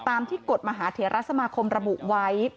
ตามที่กฎมหาเถระสมาคมระบุไว้